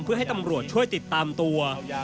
เพื่อให้ตำรวจช่วยติดตามตัว